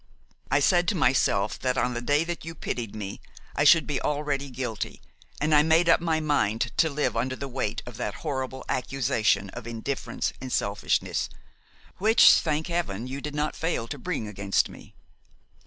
I said to myself that on the day that you pitied me, I should be already guilty, and I made up my mind to live under the weight of that horrible accusation of indifference and selfishness, which, thank Heaven! you did not fail to bring against me.